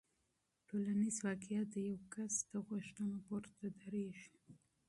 ټولنیز واقیعت د فرد له غوښتنو پورته دریږي.